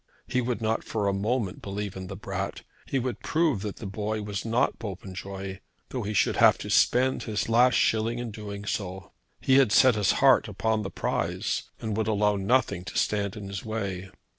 He would not for a moment believe in the brat. He would prove that the boy was not Popenjoy, though he should have to spend his last shilling in doing so. He had set his heart upon the prize, and he would allow nothing to stand in his way.